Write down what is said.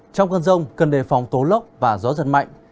trong cơn rông cần đề phòng tố lốc và gió giật mạnh